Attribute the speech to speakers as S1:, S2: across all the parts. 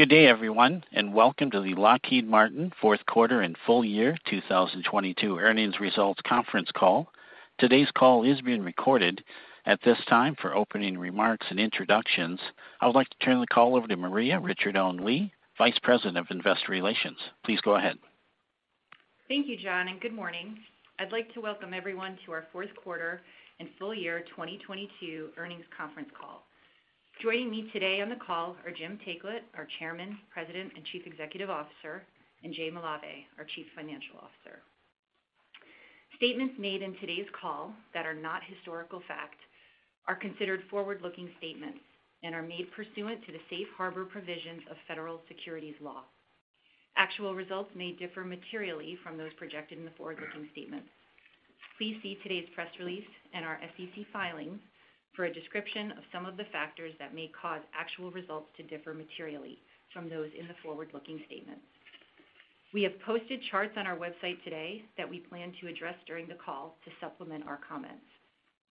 S1: Good day, everyone, and welcome to the Lockheed Martin fourth quarter and full year 2022 earnings results conference call. Today's call is being recorded. At this time, for opening remarks and introductions, I would like to turn the call over to Maria Ricciardone Lee, Vice President of Investor Relations. Please go ahead.
S2: Thank you, John, and good morning. I'd like to welcome everyone to our fourth quarter and full year 2022 earnings conference call. Joining me today on the call are Jim Taiclet, our Chairman, President, and Chief Executive Officer, and Jay Malave, our Chief Financial Officer. Statements made in today's call that are not historical fact are considered forward-looking statements and are made pursuant to the safe harbor provisions of federal securities law. Actual results may differ materially from those projected in the forward-looking statements. Please see today's press release and our SEC filings for a description of some of the factors that may cause actual results to differ materially from those in the forward-looking statements. We have posted charts on our website today that we plan to address during the call to supplement our comments.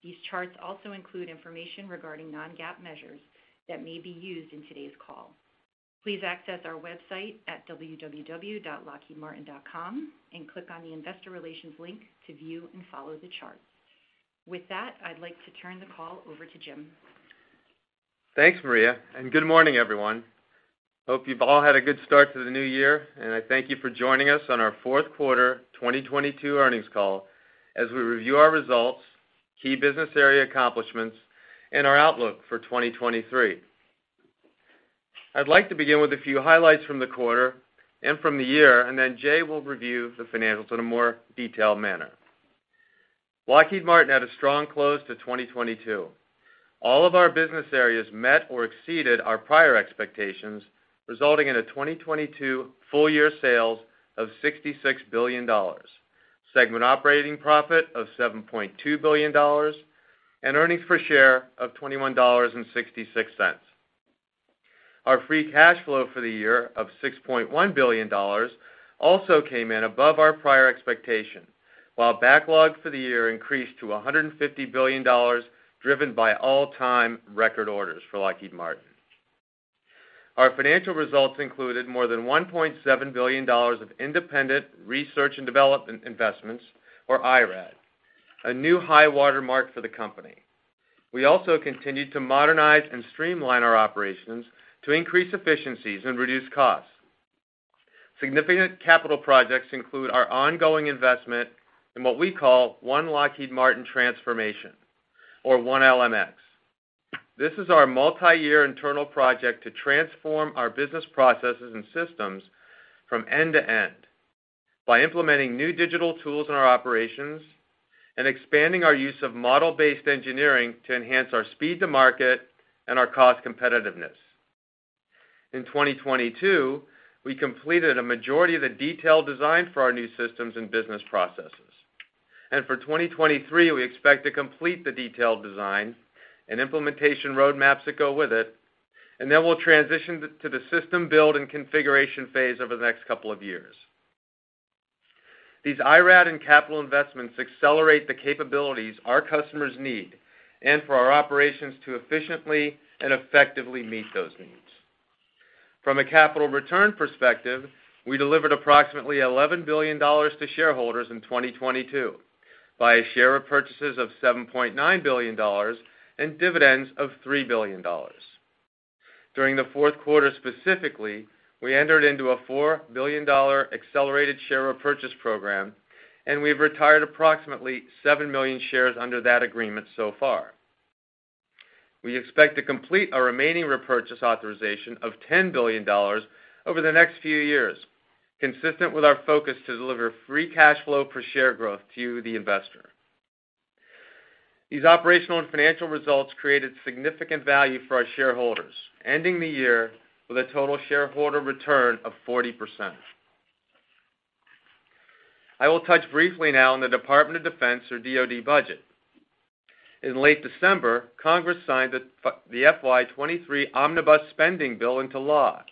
S2: These charts also include information regarding non-GAAP measures that may be used in today's call. Please access our website at www.lockheedmartin.com and click on the Investor Relations link to view and follow the charts. With that, I'd like to turn the call over to Jim.
S3: Thanks, Maria. Good morning, everyone. Hope you've all had a good start to the new year. I thank you for joining us on our fourth quarter 2022 earnings call as we review our results, key business area accomplishments, and our outlook for 2023. I'd like to begin with a few highlights from the quarter and from the year. Then Jay will review the financials in a more detailed manner. Lockheed Martin had a strong close to 2022. All of our business areas met or exceeded our prior expectations, resulting in a 2022 full year sales of $66 billion, segment operating profit of $7.2 billion, and earnings per share of $21.66. Our free cash flow for the year of $6.1 billion also came in above our prior expectation, while backlog for the year increased to $150 billion, driven by all-time record orders for Lockheed Martin. Our financial results included more than $1.7 billion of independent research and development investments, or IRAD, a new high watermark for the company. We also continued to modernize and streamline our operations to increase efficiencies and reduce costs. Significant capital projects include our ongoing investment in what we call One Lockheed Martin Transformation, or 1LMX. This is our multi-year internal project to transform our business processes and systems from end to end by implementing new digital tools in our operations and expanding our use of model-based engineering to enhance our speed to market and our cost competitiveness. In 2022, we completed a majority of the detailed design for our new systems and business processes. For 2023, we expect to complete the detailed design and implementation road maps that go with it, then we'll transition to the system build and configuration phase over the next couple of years. These IRAD and capital investments accelerate the capabilities our customers need and for our operations to efficiently and effectively meet those needs. From a capital return perspective, we delivered approximately $11 billion to shareholders in 2022 via share repurchases of $7.9 billion and dividends of $3 billion. During the fourth quarter specifically, we entered into a $4 billion accelerated share repurchase program, and we've retired approximately 7 million shares under that agreement so far. We expect to complete our remaining repurchase authorization of $10 billion over the next few years, consistent with our focus to deliver free cash flow per share growth to the investor. These operational and financial results created significant value for our shareholders, ending the year with a total shareholder return of 40%. I will touch briefly now on the Department of Defense or DoD budget. In late December, Congress signed the FY 2023 omnibus spending bill into law,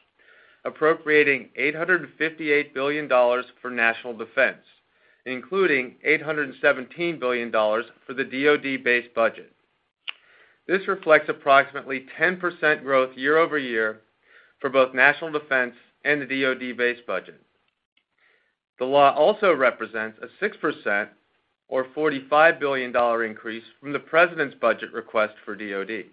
S3: appropriating $858 billion for national defense, including $817 billion for the DoD base budget. This reflects approximately 10% growth year-over-year for both national defense and the DoD base budget. The law also represents a 6% or $45 billion increase from the president's budget request for DoD.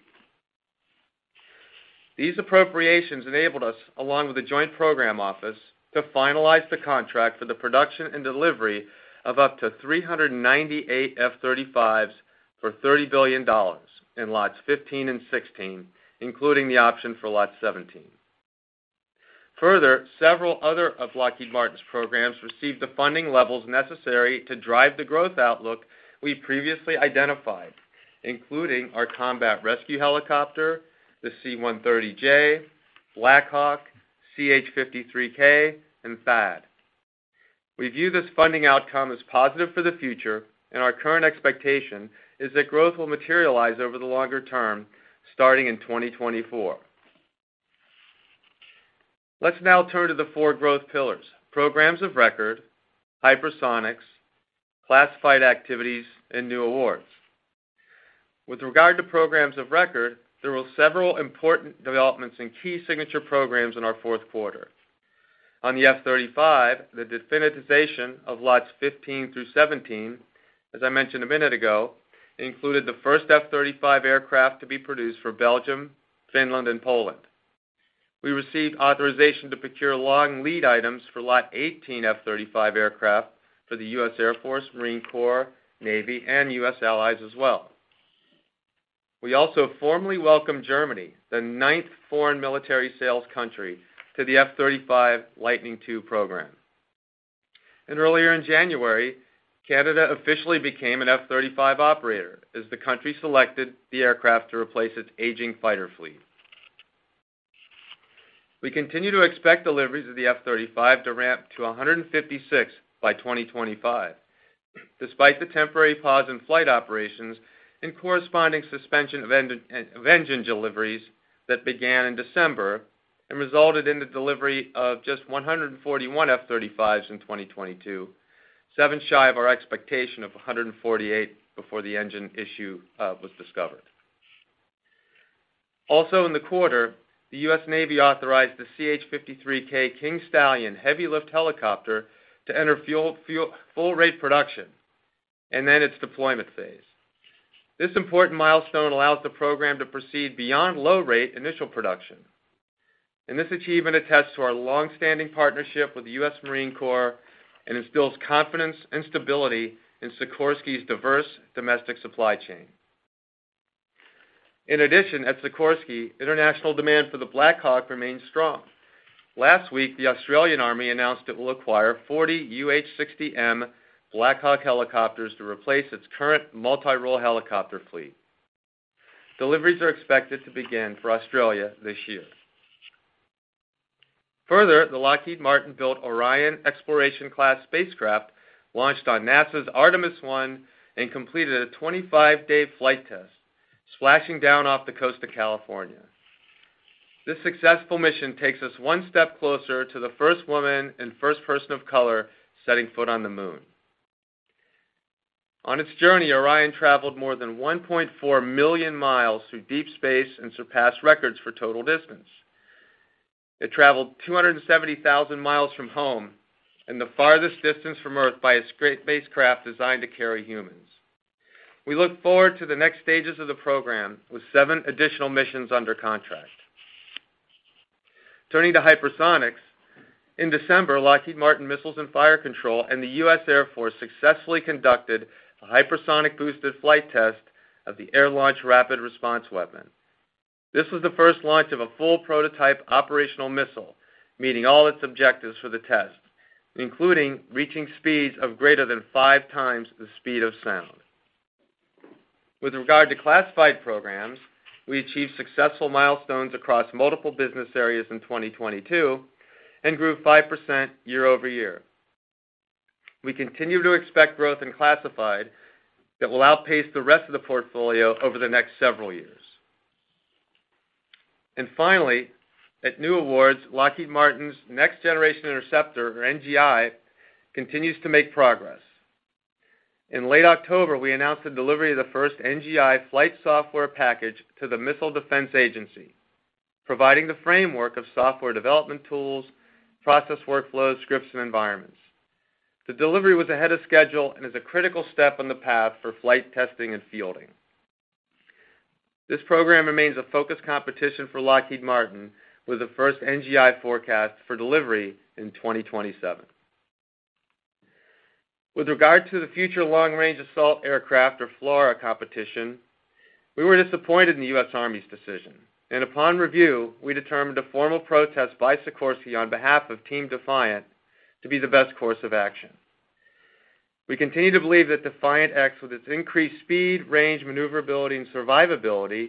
S3: These appropriations enabled us, along with the Joint Program Office, to finalize the contract for the production and delivery of up to 398 F-35s for $30 billion in Lots 15 and 16, including the option for Lot 17. Further, several other of Lockheed Martin's programs received the funding levels necessary to drive the growth outlook we previously identified, including our Combat Rescue Helicopter, the C-130J, Black Hawk, CH-53K, and THAAD. We view this funding outcome as positive for the future, and our current expectation is that growth will materialize over the longer term starting in 2024. Let's now turn to the four growth pillars: programs of record, hypersonics, classified activities, and new awards. With regard to programs of record, there were several important developments in key signature programs in our fourth quarter. On the F-35, the definitization of Lots 15 through 17, as I mentioned a minute ago, included the first F-35 aircraft to be produced for Belgium, Finland, and Poland. We received authorization to procure long lead items for Lot 18 F-35 aircraft for the U.S. Air Force, Marine Corps, Navy, and U.S. allies as well. We also formally welcomed Germany, the 9th Foreign Military Sales country, to the F-35 Lightning II program. Earlier in January, Canada officially became an F-35 operator as the country selected the aircraft to replace its aging fighter fleet. We continue to expect deliveries of the F-35 to ramp to 156 by 2025, despite the temporary pause in flight operations and corresponding suspension of engine deliveries that began in December and resulted in the delivery of just 141 F-35s in 2022, seven shy of our expectation of 148 before the engine issue was discovered. In the quarter, the U.S. Navy authorized the CH-53K King Stallion Heavy Lift Helicopter to enter full rate production and then its deployment phase. This important milestone allows the program to proceed beyond low rate initial production. This achievement attests to our long-standing partnership with the U.S. Marine Corps and instills confidence and stability in Sikorsky's diverse domestic supply chain. At Sikorsky, international demand for the Black Hawk remains strong. Last week, the Australian Army announced it will acquire 40 UH-60M Black Hawk helicopters to replace its current multi-role helicopter fleet. Deliveries are expected to begin for Australia this year. The Lockheed Martin-built Orion exploration-class spacecraft launched on NASA's Artemis I and completed a 25-day flight test, splashing down off the coast of California. This successful mission takes us one step closer to the first woman and first person of color setting foot on the Moon. On its journey, Orion traveled more than 1.4 million mi through deep space and surpassed records for total distance. It traveled 270,000 mi from home in the farthest distance from Earth by a spacecraft designed to carry humans. We look forward to the next stages of the program with seven additional missions under contract. Turning to hypersonics, in December, Lockheed Martin Missiles and Fire Control and the U.S. Air Force successfully conducted a hypersonic boosted flight test of the Air-Launched Rapid Response Weapon. This was the first launch of a full prototype operational missile, meeting all its objectives for the test, including reaching speeds of greater than five times the speed of sound. With regard to classified programs, we achieved successful milestones across multiple business areas in 2022 and grew 5% year-over-year. We continue to expect growth in classified that will outpace the rest of the portfolio over the next several years. Finally, at new awards, Lockheed Martin's Next Generation Interceptor, or NGI, continues to make progress. In late October, we announced the delivery of the first NGI flight software package to the Missile Defense Agency, providing the framework of software development tools, process workflows, scripts, and environments. The delivery was ahead of schedule and is a critical step on the path for flight testing and fielding. This program remains a focus competition for Lockheed Martin, with the first NGI forecast for delivery in 2027. With regard to the Future Long-Range Assault Aircraft, or FLRAA, competition, we were disappointed in the U.S. Army's decision. Upon review, we determined a formal protest by Sikorsky on behalf of Team DEFIANT to be the best course of action. We continue to believe that DEFIANT X, with its increased speed, range, maneuverability, and survivability,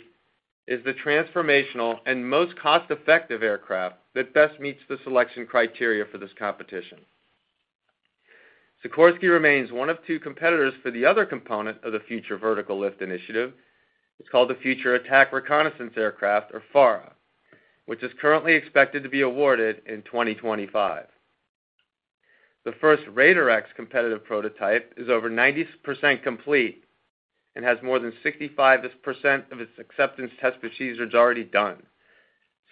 S3: is the transformational and most cost-effective aircraft that best meets the selection criteria for this competition. Sikorsky remains one of two competitors for the other component of the Future Vertical Lift Initiative. It's called the Future Attack Reconnaissance Aircraft, or FARA, which is currently expected to be awarded in 2025. The first RAIDER X competitive prototype is over 90% complete and has more than 65% of its acceptance test procedures already done.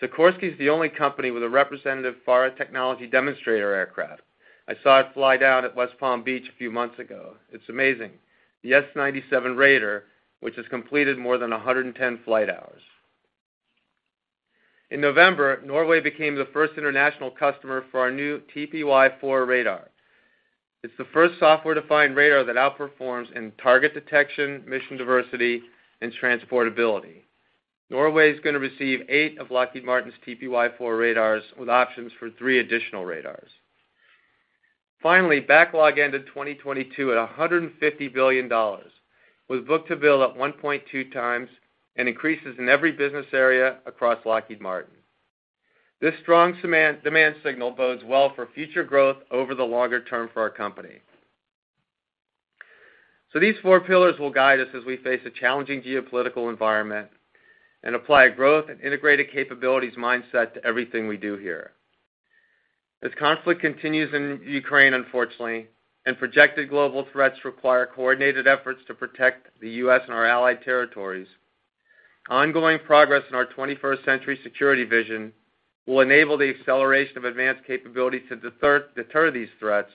S3: Sikorsky is the only company with a representative FARA technology demonstrator aircraft. I saw it fly down at West Palm Beach a few months ago. It's amazing. The S-97 RAIDER, which has completed more than 110 flight hours. In November, Norway became the first international customer for our new TPY-4 radar. It's the first software-defined radar that outperforms in target detection, mission diversity, and transportability. Norway is gonna receive eight of Lockheed Martin's TPY-4 radars with options for three additional radars. Backlog ended 2022 at $150 billion, with book-to-bill at 1.2x and increases in every business area across Lockheed Martin. This strong demand signal bodes well for future growth over the longer term for our company. These four pillars will guide us as we face a challenging geopolitical environment and apply a growth and integrated capabilities mindset to everything we do here. As conflict continues in Ukraine, unfortunately, and projected global threats require coordinated efforts to protect the U.S. and our allied territories, ongoing progress in our 21st Century Security Vision will enable the acceleration of advanced capabilities to deter these threats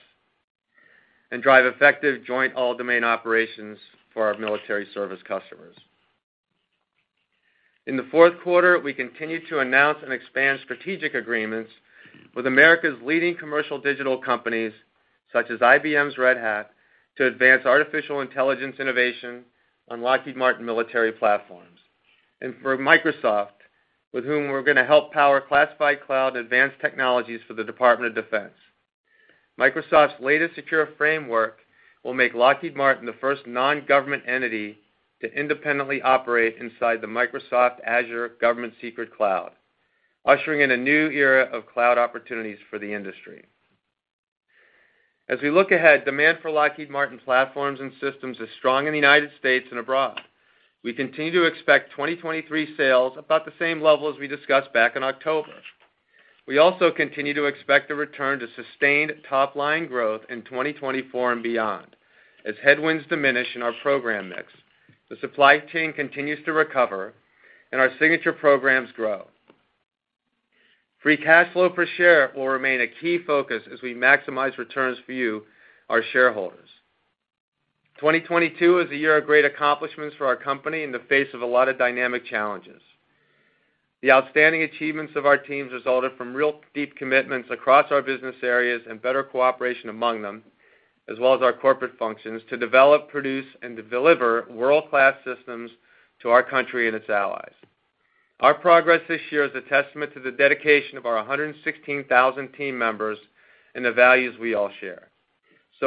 S3: and drive effective Joint All-Domain Operations for our military service customers. In the fourth quarter, we continued to announce and expand strategic agreements with America's leading commercial digital companies, such as IBM's Red Hat, to advance artificial intelligence innovation on Lockheed Martin military platforms. For Microsoft, with whom we're going to help power classified cloud advanced technologies for the Department of Defense. Microsoft's latest secure framework will make Lockheed Martin the first non-government entity to independently operate inside the Microsoft Azure government secret cloud, ushering in a new era of cloud opportunities for the industry. As we look ahead, demand for Lockheed Martin platforms and systems is strong in the United States and abroad. We continue to expect 2023 sales about the same level as we discussed back in October. We also continue to expect a return to sustained top-line growth in 2024 and beyond as headwinds diminish in our program mix, the supply chain continues to recover, and our signature programs grow. Free cash flow per share will remain a key focus as we maximize returns for you, our shareholders. 2022 is a year of great accomplishments for our company in the face of a lot of dynamic challenges. The outstanding achievements of our teams resulted from real deep commitments across our business areas and better cooperation among them, as well as our corporate functions to develop, produce, and deliver world-class systems to our country and its allies. Our progress this year is a testament to the dedication of our 116,000 team members and the values we all share.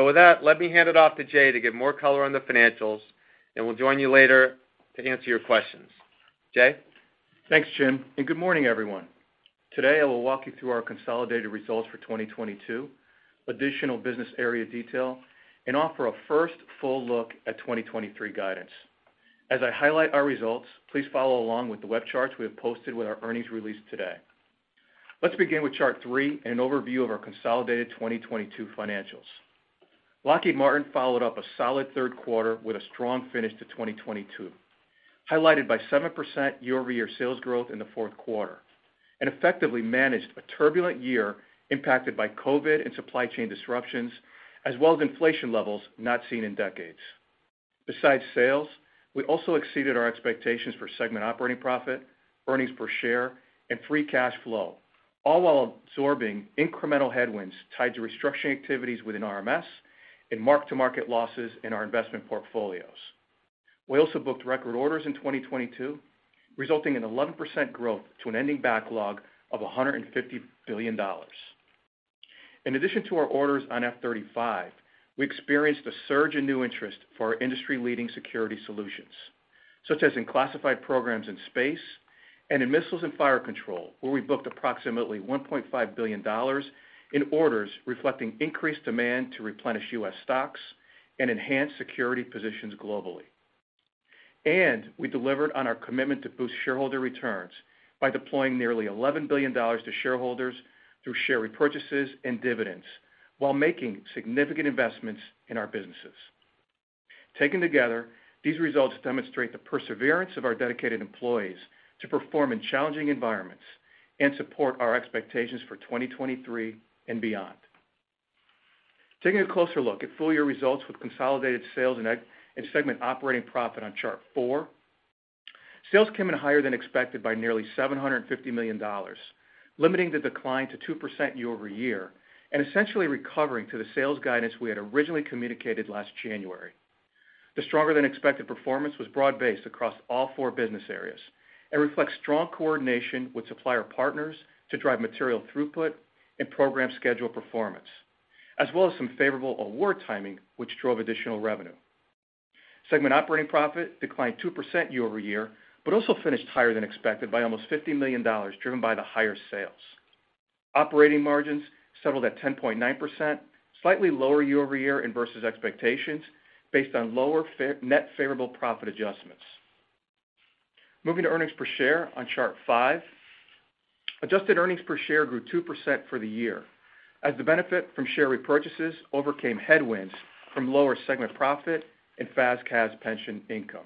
S3: With that, let me hand it off to Jay to give more color on the financials, and we'll join you later to answer your questions. Jay?
S4: Thanks, Jim. Good morning, everyone. Today, I will walk you through our consolidated results for 2022, additional business area detail, and offer a first full look at 2023 guidance. As I highlight our results, please follow along with the web charts we have posted with our earnings release today. Let's begin with chart three and an overview of our consolidated 2022 financials. Lockheed Martin followed up a solid third quarter with a strong finish to 2022, highlighted by 7% year-over-year sales growth in the fourth quarter and effectively managed a turbulent year impacted by COVID and supply chain disruptions, as well as inflation levels not seen in decades. Besides sales, we also exceeded our expectations for segment operating profit, earnings per share, and free cash flow, all while absorbing incremental headwinds tied to restructuring activities within RMS and mark-to-market losses in our investment portfolios. We also booked record orders in 2022, resulting in 11% growth to an ending backlog of $150 billion. In addition to our orders on F-35, we experienced a surge in new interest for our industry-leading security solutions, such as in classified programs in space and in Missiles and Fire Control, where we booked approximately $1.5 billion in orders reflecting increased demand to replenish U.S. stocks and enhance security positions globally. We delivered on our commitment to boost shareholder returns by deploying nearly $11 billion to shareholders through share repurchases and dividends while making significant investments in our businesses. Taken together, these results demonstrate the perseverance of our dedicated employees to perform in challenging environments and support our expectations for 2023 and beyond. Taking a closer look at full-year results with consolidated sales and segment operating profit on chart four, sales came in higher than expected by nearly $750 million, limiting the decline to 2% year-over-year and essentially recovering to the sales guidance we had originally communicated last January. The stronger than expected performance was broad-based across all four business areas and reflects strong coordination with supplier partners to drive material throughput and program schedule performance, as well as some favorable award timing, which drove additional revenue. Segment operating profit declined 2% year-over-year, but also finished higher than expected by almost $50 million driven by the higher sales. Operating margins settled at 10.9%, slightly lower year-over-year and versus expectations based on lower net favorable profit adjustments. Moving to earnings per share on chart five. Adjusted earnings per share grew 2% for the year as the benefit from share repurchases overcame headwinds from lower segment profit and FAS/CAS pension income.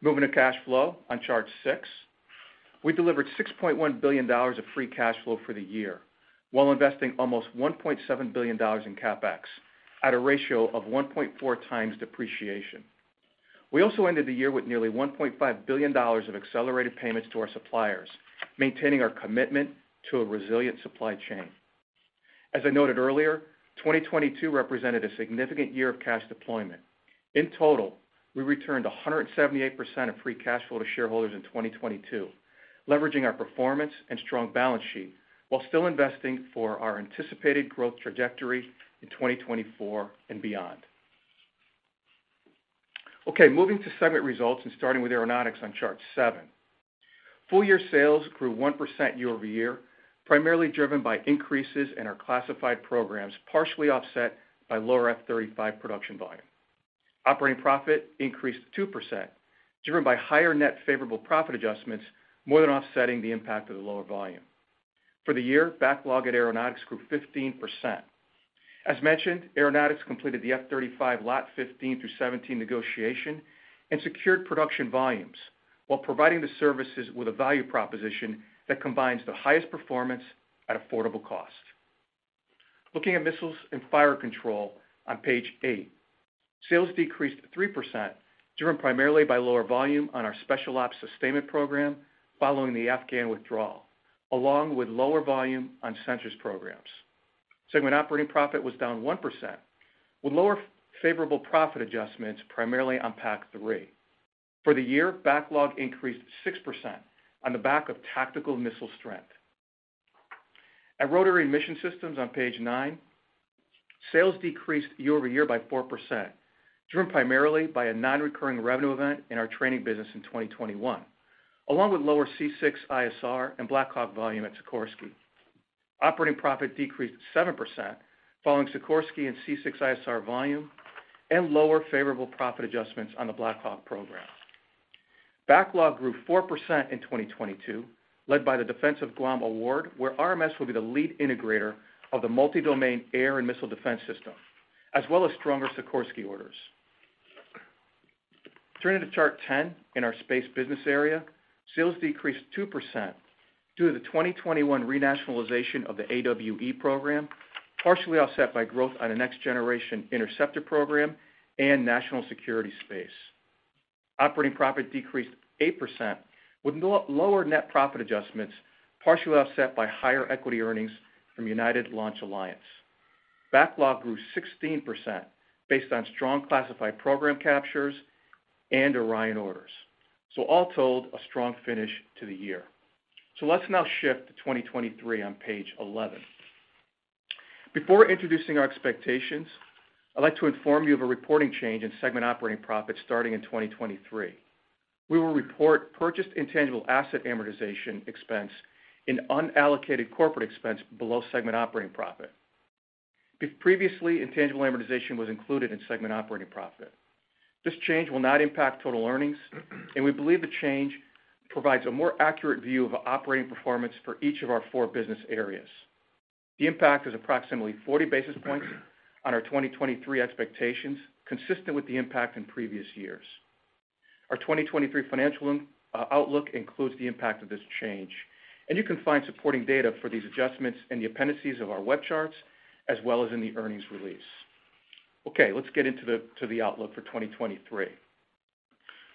S4: Moving to cash flow on chart six. We delivered $6.1 billion of free cash flow for the year while investing almost $1.7 billion in CapEx at a ratio of 1.4x depreciation. We also ended the year with nearly $1.5 billion of accelerated payments to our suppliers, maintaining our commitment to a resilient supply chain. As I noted earlier, 2022 represented a significant year of cash deployment. In total, we returned 178% of free cash flow to shareholders in 2022, leveraging our performance and strong balance sheet while still investing for our anticipated growth trajectory in 2024 and beyond. Okay, moving to segment results and starting with Aeronautics on chart seven. Full-year sales grew 1% year-over-year, primarily driven by increases in our classified programs, partially offset by lower F-35 production volume. Operating profit increased 2%, driven by higher net favorable profit adjustments, more than offsetting the impact of the lower volume. For the year, backlog at Aeronautics grew 15%. As mentioned, Aeronautics completed the F-35 Lot 15 through 17 negotiation and secured production volumes while providing the services with a value proposition that combines the highest performance at affordable cost. Looking at Missiles and Fire Control on Page 8. Sales decreased 3%, driven primarily by lower volume on our special ops sustainment program following the Afghan withdrawal, along with lower volume on sensors programs. Segment operating profit was down 1%, with lower favorable profit adjustments primarily on PAC-3. For the year, backlog increased 6% on the back of tactical missile strength. At Rotary and Mission Systems on Page 9, sales decreased year-over-year by 4%, driven primarily by a non-recurring revenue event in our training business in 2021, along with lower C6ISR and Black Hawk volume at Sikorsky. Operating profit decreased 7% following Sikorsky and C6ISR volume and lower favorable profit adjustments on the Black Hawk program. Backlog grew 4% in 2022, led by the Defense of Guam award, where RMS will be the lead integrator of the multi-domain air and missile defense system, as well as stronger Sikorsky orders. Turning to chart 10 in our Space business area, sales decreased 2% due to the 2021 renationalization of the AWE program, partially offset by growth on a Next Generation Interceptor program and national security space. Operating profit decreased 8% with lower net profit adjustments, partially offset by higher equity earnings from United Launch Alliance. Backlog grew 16% based on strong classified program captures and Orion orders. All told, a strong finish to the year. Let's now shift to 2023 on Page 11. Before introducing our expectations, I'd like to inform you of a reporting change in segment operating profits starting in 2023. We will report purchased intangible asset amortization expense in unallocated corporate expense below segment operating profit. Previously, intangible amortization was included in segment operating profit. This change will not impact total earnings, and we believe the change provides a more accurate view of operating performance for each of our four business areas. The impact is approximately 40 basis points on our 2023 expectations, consistent with the impact in previous years. Our 2023 financial outlook includes the impact of this change, and you can find supporting data for these adjustments in the appendices of our web charts as well as in the earnings release. Let's get into the outlook for 2023.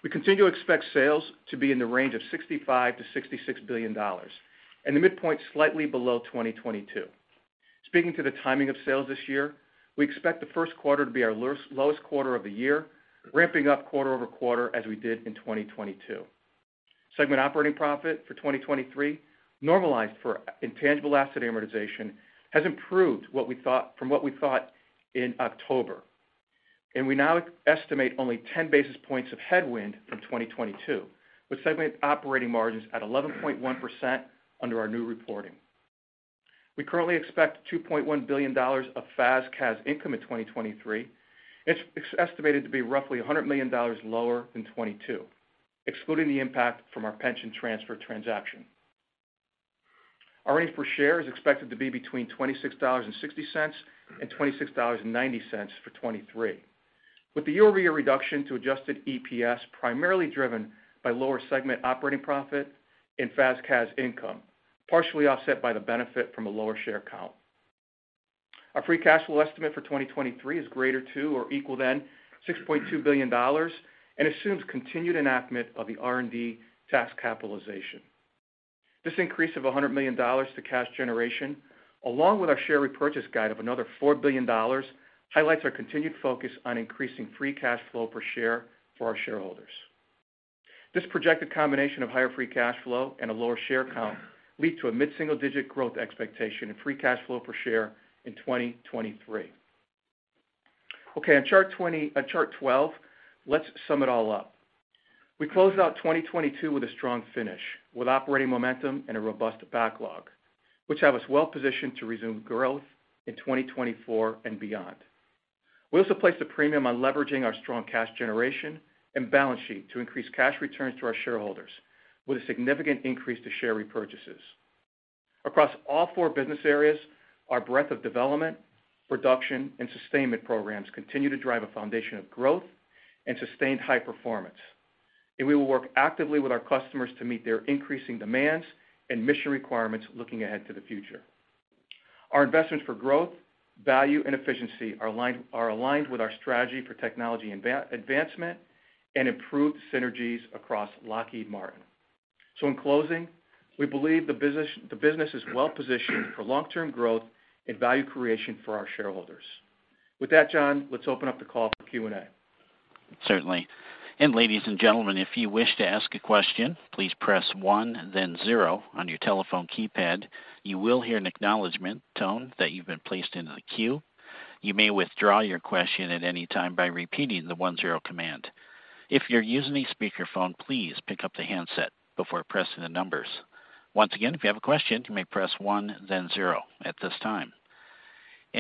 S4: We continue to expect sales to be in the range of $65 billion-$66 billion, and the midpoint slightly below 2022. Speaking to the timing of sales this year, we expect the first quarter to be our lowest quarter of the year, ramping up quarter-over-quarter as we did in 2022. Segment operating profit for 2023, normalized for intangible asset amortization, has improved from what we thought in October. We now estimate only 10 basis points of headwind from 2022, with segment operating margins at 11.1% under our new reporting. We currently expect $2.1 billion of FAS/CAS income in 2023. It's estimated to be roughly $100 million lower than 2022, excluding the impact from our pension transfer transaction. Our earnings per share is expected to be between $26.60 and $26.90 for 2023, with the year-over-year reduction to adjusted EPS primarily driven by lower segment operating profit and FAS/CAS income, partially offset by the benefit from a lower share count. Our free cash flow estimate for 2023 is greater to or equal than $6.2 billion and assumes continued enactment of the R&D tax capitalization. This increase of $100 million to cash generation, along with our share repurchase guide of another $4 billion, highlights our continued focus on increasing free cash flow per share for our shareholders. This projected combination of higher free cash flow and a lower share count lead to a mid-single-digit growth expectation in free cash flow per share in 2023. Okay, on chart 12, let's sum it all up. We closed out 2022 with a strong finish, with operating momentum and a robust backlog, which have us well positioned to resume growth in 2024 and beyond. We also placed a premium on leveraging our strong cash generation and balance sheet to increase cash returns to our shareholders with a significant increase to share repurchases. Across all four business areas, our breadth of development, production, and sustainment programs continue to drive a foundation of growth and sustained high performance. We will work actively with our customers to meet their increasing demands and mission requirements looking ahead to the future. Our investments for growth, value, and efficiency are aligned with our strategy for technology advancement and improved synergies across Lockheed Martin. In closing, we believe the business is well positioned for long-term growth and value creation for our shareholders. With that, John, let's open up the call for Q&A.
S1: Certainly. Ladies and gentlemen, if you wish to ask a question, please press one, then zero on your telephone keypad. You will hear an acknowledgment tone that you've been placed in a queue. You may withdraw your question at any time by repeating the one-zero command. If you're using a speakerphone, please pick up the handset before pressing the numbers. Once again, if you have a question, you may press one then zero at this time.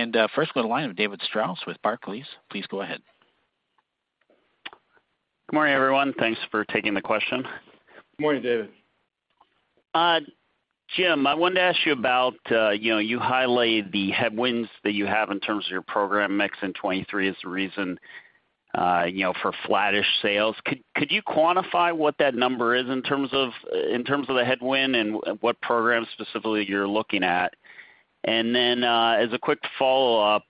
S1: First we go to the line of David Strauss with Barclays. Please go ahead.
S5: Good morning, everyone. Thanks for taking the question.
S3: Good morning, David.
S5: Jim, I wanted to ask you about, you know, you highlighted the headwinds that you have in terms of your program mix in 2023 as the reason, you know, for flattish sales. Could you quantify what that number is in terms of, in terms of the headwind and what programs specifically you're looking at? As a quick follow-up,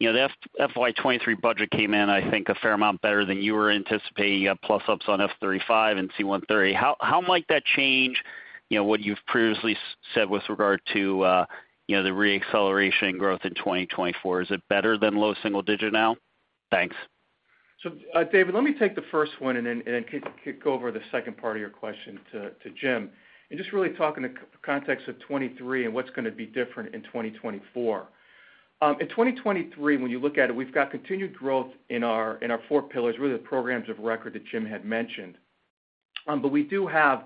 S5: you know, the FY 2023 budget came in, I think, a fair amount better than you were anticipating. You got plus ups on F-35 and C-130. How might that change, you know, what you've previously said with regard to, you know, the re-acceleration growth in 2024? Is it better than low single digit now? Thanks.
S4: David, let me take the first one and then kick over the second part of your question to Jim, and just really talk in the context of 2023 and what's going to be different in 2024. In 2023, when you look at it, we've got continued growth in our four pillars, really the programs of record that Jim had mentioned. We do have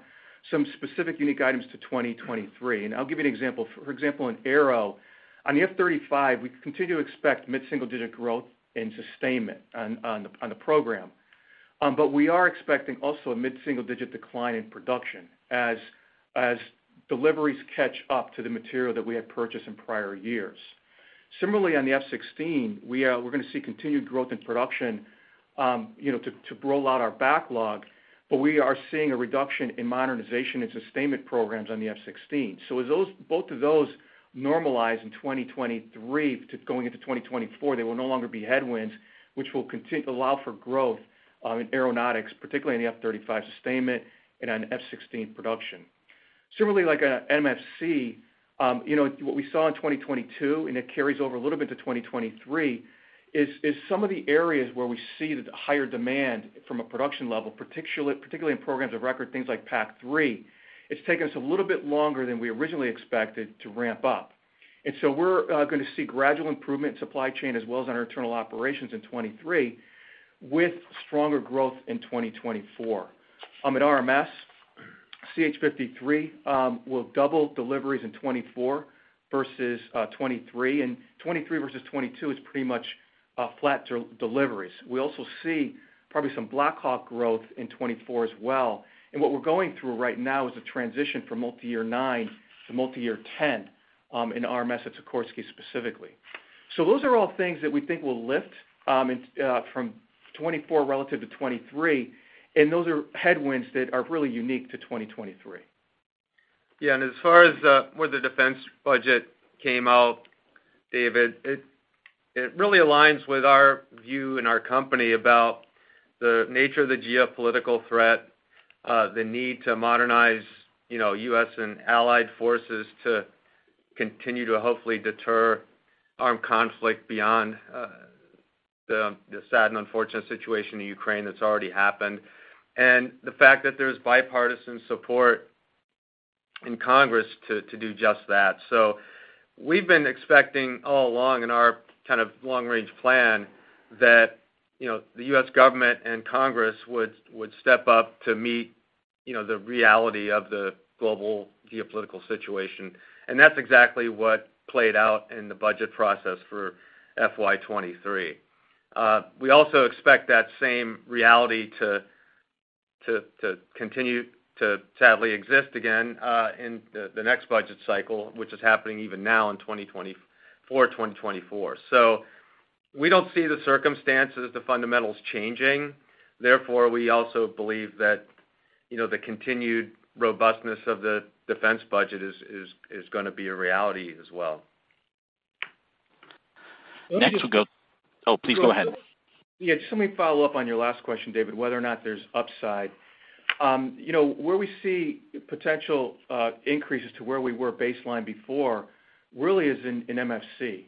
S4: some specific unique items to 2023, and I'll give you an example. For example, in Aero, on the F-35, we continue to expect mid-single digit growth in sustainment on the program. We are expecting also a mid-single digit decline in production as deliveries catch up to the material that we had purchased in prior years. Similarly, on the F-16, we're gonna see continued growth in production, you know, to roll out our backlog, but we are seeing a reduction in modernization and sustainment programs on the F-16. As both of those normalize in 2023 going into 2024, they will no longer be headwinds, which will allow for growth, in aeronautics, particularly in the F-35 sustainment and on F-16 production. Similarly, like MFC, you know, what we saw in 2022, and it carries over a little bit to 2023, is some of the areas where we see the higher demand from a production level, particularly in programs of record, things like PAC-3, it's taken us a little bit longer than we originally expected to ramp up. We're gonna see gradual improvement in supply chain as well as on our internal operations in 2023, with stronger growth in 2024. At RMS, CH-53 will double deliveries in 2024 versus 2023. 2023 versus 2022 is pretty much flat de-deliveries. We also see probably some Black Hawk growth in 2024 as well. What we're going through right now is a transition from Multi-Year 9 to Multi-Year 10 in RMS at Sikorsky specifically. Those are all things that we think will lift in from 2024 relative to 2023, and those are headwinds that are really unique to 2023.
S3: As far as where the defense budget came out, David, it really aligns with our view and our company about the nature of the geopolitical threat, the need to modernize, you know, U.S. and allied forces to continue to hopefully deter armed conflict beyond the sad and unfortunate situation in Ukraine that's already happened, and the fact that there's bipartisan support in Congress to do just that. We've been expecting all along in our kind of long-range plan that, you know, the U.S. government and Congress would step up to meet, you know, the reality of the global geopolitical situation, and that's exactly what played out in the budget process for FY 2023. We also expect that same reality to continue to sadly exist again in the next budget cycle, which is happening even now in 2024. We don't see the circumstances, the fundamentals changing, therefore, we also believe that, you know, the continued robustness of the defense budget is gonna be a reality as well.
S5: Next, we'll. Oh, please go ahead.
S3: Yeah, just let me follow-up on your last question, David, whether or not there's upside. You know, where we see potential increases to where we were baseline before really is in MFC.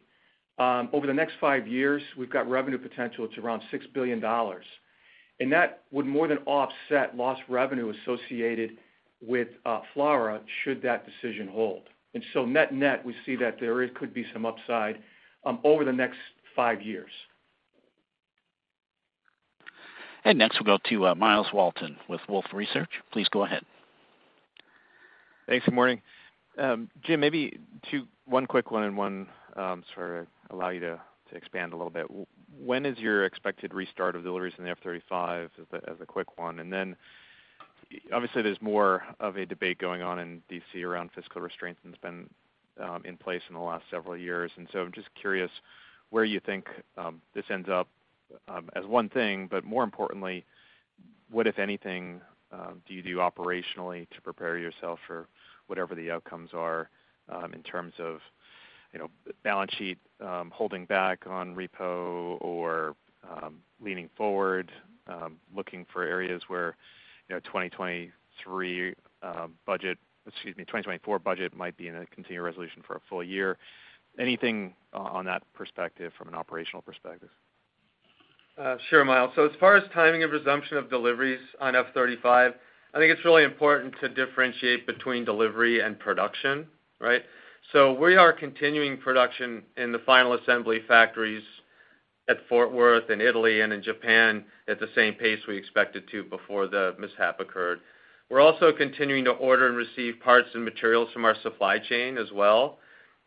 S3: Over the next five years, we've got revenue potential to around $6 billion, and that would more than offset lost revenue associated with, FLRAA, should that decision hold. Net-net, we see that there could be some upside, over the next five years.
S1: Next, we'll go to, Myles Walton with Wolfe Research. Please go ahead.
S6: Thanks. Good morning. Jim, maybe two... one quick one and one sort of allow you to expand a little bit. When is your expected restart of deliveries in the F-35 as the quick one? Obviously, there's more of a debate going on in D.C. around fiscal restraints than has been in place in the last several years. I'm just curious where you think this ends up as one thing, but more importantly, what, if anything, do you do operationally to prepare yourself for whatever the outcomes are in terms of, you know, balance sheet, holding back on repo or leaning forward, looking for areas where, you know, 2023 budget, excuse me, 2024 budget might be in a continued resolution for a full year. Anything on that perspective from an operational perspective?
S3: Sure, Myles. As far as timing and resumption of deliveries on F-35, I think it's really important to differentiate between delivery and production, right? We are continuing production in the final assembly factories at Fort Worth, in Italy, and in Japan at the same pace we expected to before the mishap occurred. We're also continuing to order and receive parts and materials from our supply chain as well.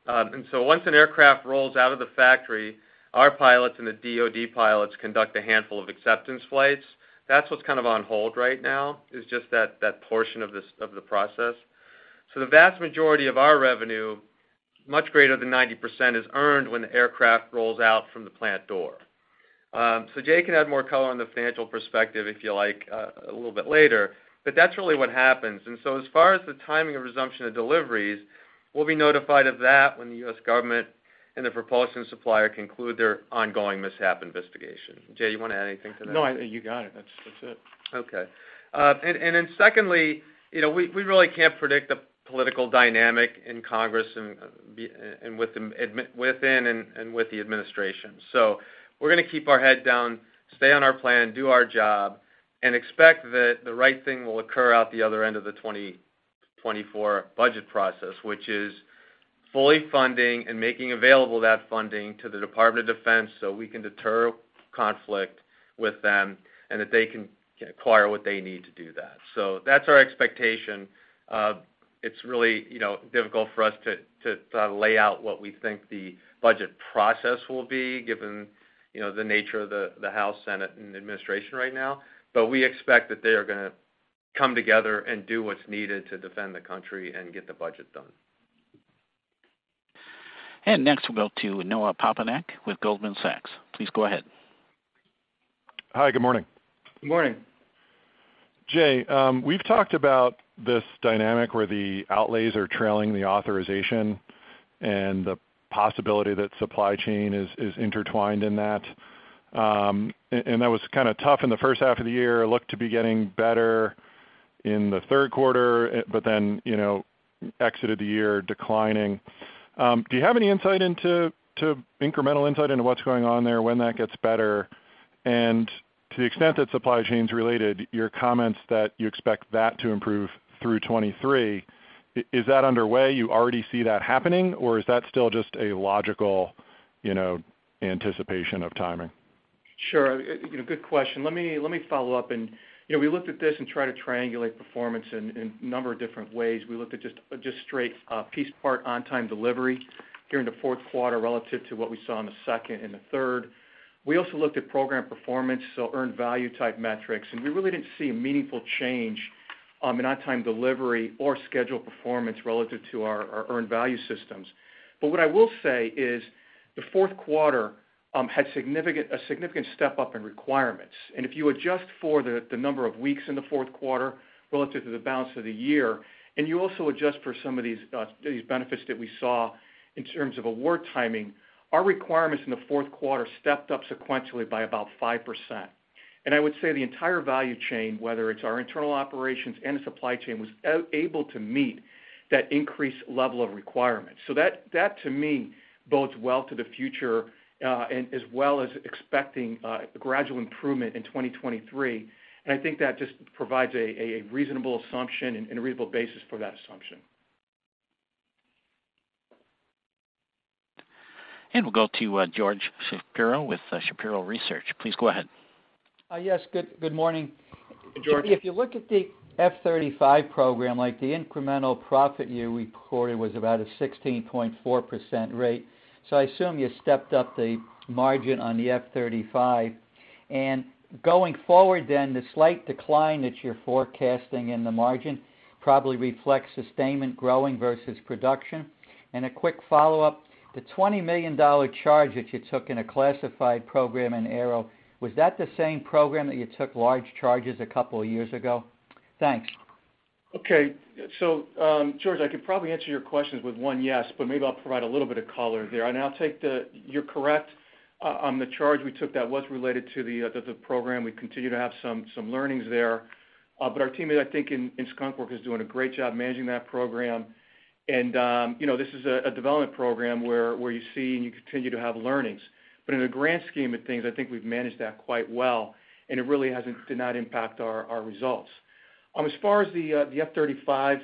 S3: Once an aircraft rolls out of the factory, our pilots and the DoD pilots conduct a handful of acceptance flights. That's what's kind of on hold right now, is just that portion of the process. The vast majority of our revenue, much greater than 90%, is earned when the aircraft rolls out from the plant door. Jay can add more color on the financial perspective, if you like, a little bit later? That's really what happens. As far as the timing and resumption of deliveries, we'll be notified of that when the U.S. government and the propulsion supplier conclude their ongoing mishap investigation. Jay, you wanna add anything to that?
S4: No, I think you got it. That's it.
S3: Then secondly, you know, we really can't predict the political dynamic in Congress and with the administration. We're gonna keep our head down, stay on our plan, do our job, and expect that the right thing will occur out the other end of the 2024 budget process, which is fully funding and making available that funding to the Department of Defense so we can deter conflict with them, and that they can acquire what they need to do that. That's our expectation. It's really, you know, difficult for us to try to lay out what we think the budget process will be given, you know, the nature of the House, Senate, and the administration right now. We expect that they are gonna come together and do what's needed to defend the country and get the budget done.
S1: Next, we'll go to Noah Poponak with Goldman Sachs. Please go ahead.
S7: Hi, good morning.
S3: Good morning.
S7: Jay, we've talked about this dynamic where the outlays are trailing the authorization and the possibility that supply chain is intertwined in that. That was kind of tough in the first half of the year. It looked to be getting better in the third quarter, you know, exited the year declining. Do you have any insight into incremental insight into what's going on there, when that gets better? To the extent that supply chain's related, your comments that you expect that to improve through 2023, is that underway? You already see that happening? Is that still just a logical, you know, anticipation of timing?
S4: Sure. You know, good question. Let me follow-up. You know, we looked at this and tried to triangulate performance in a number of different ways. We looked at just straight piece part on-time delivery during the fourth quarter relative to what we saw in the second and the third. We also looked at program performance, so earned value type metrics. We really didn't see a meaningful change in on-time delivery or scheduled performance relative to our earned value systems. What I will say is the fourth quarter had a significant step up in requirements. If you adjust for the number of weeks in the fourth quarter relative to the balance of the year, and you also adjust for some of these benefits that we saw in terms of award timing, our requirements in the fourth quarter stepped up sequentially by about 5%. I would say the entire value chain, whether it's our internal operations and the supply chain, was able to meet that increased level of requirement. That, that to me bodes well to the future, and as well as expecting, gradual improvement in 2023. I think that just provides a reasonable assumption and a reasonable basis for that assumption.
S1: We'll go to George Shapiro with Shapiro Research. Please go ahead.
S8: Yes. Good morning.
S3: Good morning.
S8: If you look at the F-35 program, like the incremental profit you recorded was about a 16.4% rate, so I assume you stepped up the margin on the F-35. Going forward, the slight decline that you're forecasting in the margin probably reflects sustainment growing versus production. A quick follow-up, the $20 million charge that you took in a classified program in Aero, was that the same program that you took large charges a couple of years ago? Thanks.
S4: Okay. George, I could probably answer your questions with one yes, but maybe I'll provide a little bit of color there. You're correct on the charge we took that was related to the program. We continue to have some learnings there. Our team, I think, in Skunk Works is doing a great job managing that program. You know, this is a development program where you see and you continue to have learnings. In the grand scheme of things, I think we've managed that quite well, and it really did not impact our results. As far as the F-35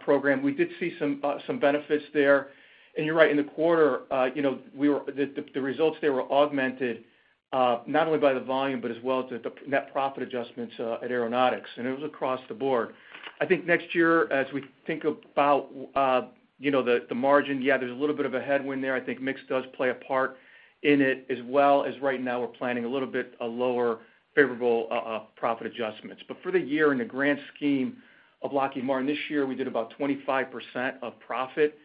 S4: program, we did see some benefits there. You're right, in the quarter, you know, the results there were augmented not only by the volume, but as well as the net profit adjustments at Aeronautics, it was across the board. I think next year as we think about, you know, the margin, yeah, there's a little bit of a headwind there. I think mix does play a part in it as well as right now we're planning a little bit, a lower favorable profit adjustments. For the year, in the grand scheme of Lockheed Martin, this year we did about 25% of profit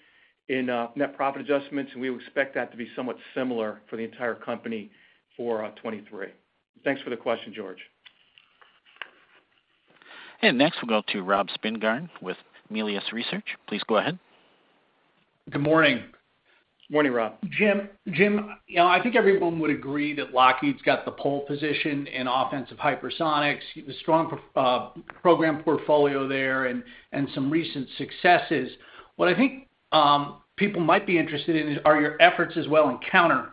S4: in net profit adjustments, we expect that to be somewhat similar for the entire company for 2023. Thanks for the question, George.
S1: Next we'll go to Rob Spingarn with Melius Research. Please go ahead.
S9: Good morning.
S3: Morning, Rob.
S9: Jim, you know, I think everyone would agree that Lockheed's got the pole position in offensive hypersonics, the strong program portfolio there and some recent successes. What I think people might be interested in is, are your efforts as well in counter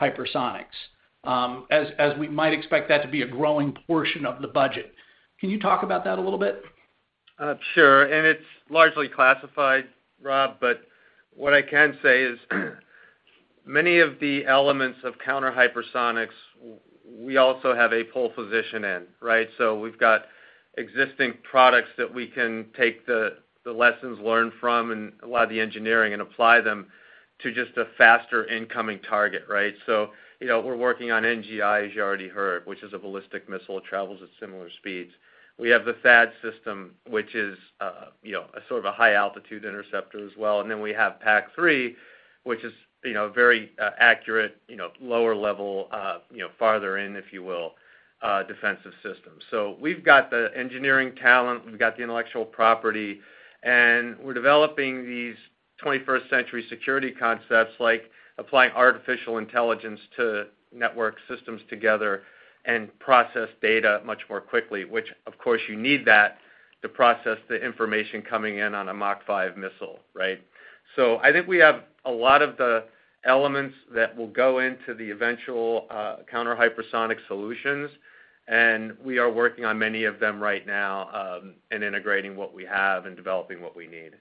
S9: hypersonics, as we might expect that to be a growing portion of the budget. Can you talk about that a little bit?
S3: Sure. It's largely classified, Rob, but what I can say is many of the elements of counter-hypersonics, we also have a pole position in, right? We've got existing products that we can take the lessons learned from and a lot of the engineering and apply them to just a faster incoming target, right? You know, we're working on NGI, as you already heard, which is a ballistic missile, travels at similar speeds. We have the THAAD system, which is, you know, a sort of a high altitude interceptor as well. Then we have PAC-3, which is, you know, very accurate, you know, lower level, you know, farther in, if you will, defensive system. We've got the engineering talent, we've got the intellectual property, and we're developing these 21st Century Security concepts like applying artificial intelligence to network systems together and process data much more quickly, which of course you need that to process the information coming in on a Mach 5 missile, right? I think we have a lot of the elements that will go into the eventual counter-hypersonic solutions, and we are working on many of them right now, and integrating what we have and developing what we need.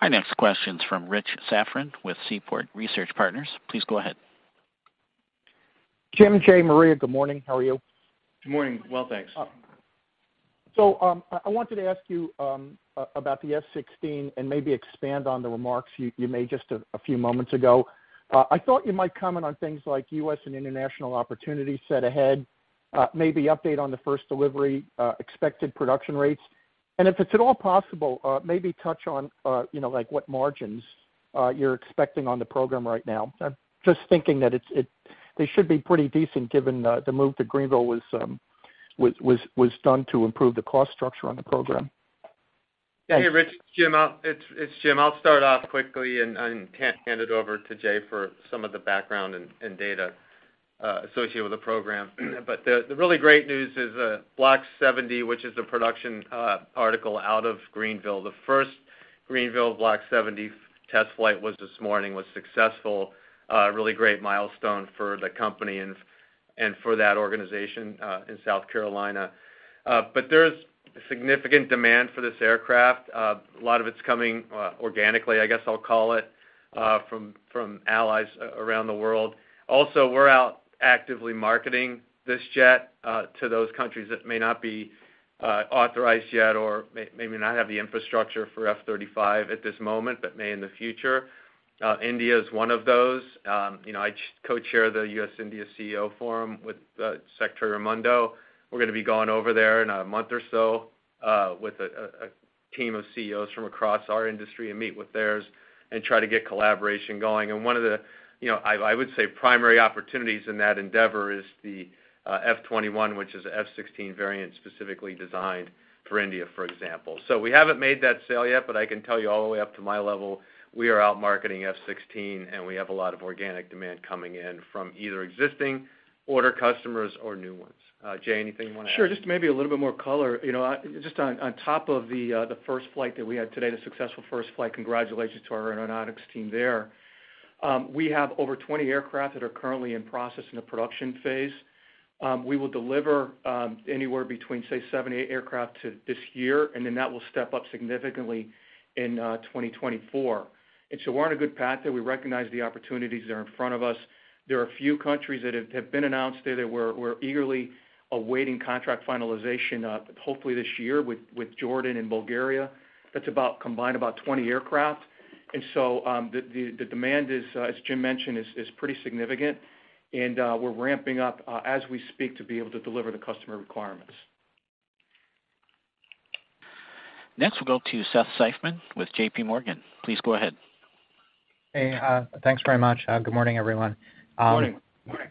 S1: Our next question is from Rich Safran with Seaport Research Partners. Please go ahead.
S10: Jim, Jay, Maria, good morning. How are you?
S3: Good morning. Well, thanks.
S10: I wanted to ask you about the F-16 and maybe expand on the remarks you made just a few moments ago. I thought you might comment on things like U.S. and international opportunities set ahead, maybe update on the first delivery, expected production rates? If it's at all possible, maybe touch on, you know, like what margins you're expecting on the program right now? I'm just thinking that they should be pretty decent given the move to Greenville was done to improve the cost structure on the program.
S3: Hey, Rich. Jim. It's Jim. I'll start off quickly and hand it over to Jay for some of the background and data associated with the program. The really great news is Block 70, which is a production article out of Greenville. The first Greenville Block 70 test flight was this morning, was successful. Really great milestone for the company and for that organization in South Carolina. There's significant demand for this aircraft. A lot of it's coming organically, I guess I'll call it, from allies around the world. Also, we're out actively marketing this jet to those countries that may not be authorized yet or maybe not have the infrastructure for F-35 at this moment, but may in the future. India is one of those. You know, I co-chair the U.S.-India CEO Forum with Gina Raimondo. We're gonna be going over there in a month or so with a team of CEOs from across our industry and meet with theirs and try to get collaboration going. One of the, you know, I would say primary opportunities in that endeavor is the F-21, which is a F-16 variant specifically designed for India, for example. We haven't made that sale yet, but I can tell you all the way up to my level, we are out marketing F-16, and we have a lot of organic demand coming in from either existing order customers or new ones. Jay, anything you wanna add?
S4: Sure. Just maybe a little bit more color. You know, just on top of the first flight that we had today, the successful first flight, congratulations to our aeronautics team there. We have over 20 aircraft that are currently in process in the production phase. We will deliver anywhere between, say, seven-eight aircraft to this year, and then that will step up significantly in 2024. We're on a good path there. We recognize the opportunities that are in front of us. There are a few countries that have been announced that we're eagerly awaiting contract finalization hopefully this year with Jordan and Bulgaria. That's about combined about 20 aircraft. The demand is as Jim mentioned, is pretty significant. We're ramping up, as we speak to be able to deliver the customer requirements.
S1: Next, we'll go to Seth Seifman with JPMorgan. Please go ahead.
S11: Hey, thanks very much. Good morning, everyone.
S3: Morning.
S4: Morning.